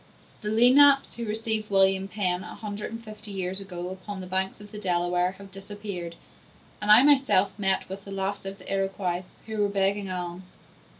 The Lenapes, who received William Penn, a hundred and fifty years ago, upon the banks of the Delaware, have disappeared; and I myself met with the last of the Iroquois, who were begging alms.